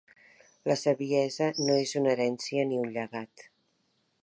La saviesa no és una herència ni un llegat.